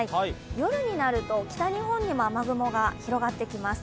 夜になると、北日本にも雨雲がひろがってきます。